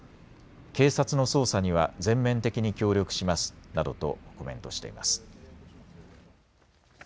警察の捜査には全面的に協力しますなどとコメントしています。